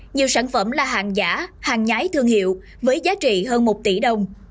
nhiều sản phẩm là hàng giả hàng nhái thương hiệu với giá trị hơn một tỷ đồng